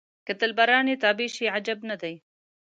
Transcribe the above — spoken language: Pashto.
که دلبران یې تابع شي عجب نه دی.